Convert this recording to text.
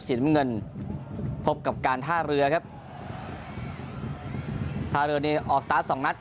น้ำเงินพบกับการท่าเรือครับท่าเรือนี้ออกสตาร์ทสองนัด